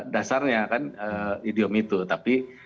dasarnya kan idiom itu tapi